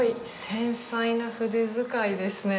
繊細な筆遣いですね。